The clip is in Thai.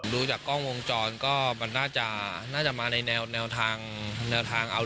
ดูจากกล้องวงจรก็มันน่าจะมาในแนวทางแนวทางเอา